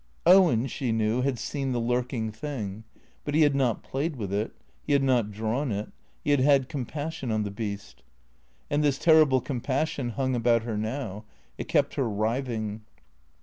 Owen, she knew, had seen the lurking thing, but he had not played wuth it, he had not drawn it; he had had compassion on the beast. And this terrible compassion hung about her now; it kept her writhing.